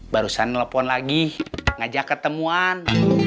barusan nelpon lagi ngajak ketemuan